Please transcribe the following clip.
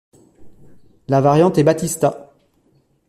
La variante est Batista.